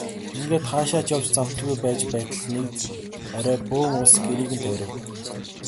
Ингээд хаашаа ч явж завдалгүй байж байтал нэг орой бөөн улс гэрийг нь тойров.